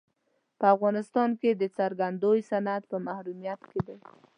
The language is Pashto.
په افغانستان کې د ګرځندوی صنعت په محرومیت کې دی.